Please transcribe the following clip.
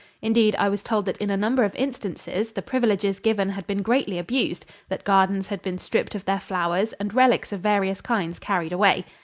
Indeed, I was told that in a number of instances the privileges given had been greatly abused; that gardens had been stripped of their flowers and relics of various kinds carried away.